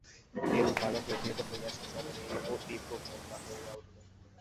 এইরূপ বারবার প্রতিহত হইয়া সেই রমণী অতি প্রচণ্ডা হইয়া উঠিল।